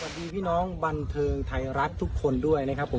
พี่น้องบันเทิงไทยรัฐทุกคนด้วยนะครับผม